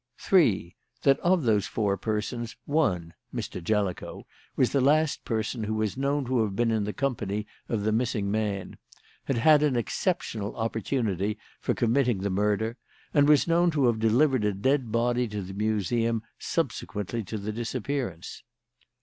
"3. That, of those four persons, one Mr. Jellicoe was the last person who was known to have been in the company of the missing man; had had an exceptional opportunity for committing the murder; and was known to have delivered a dead body to the Museum subsequently to the disappearance.